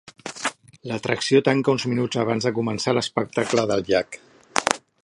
L'atracció tanca uns minuts abans de començar l'espectacle del llac.